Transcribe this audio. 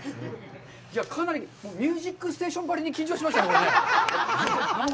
いや、かなり「ミュージックステーション」ばりに緊張しましたね。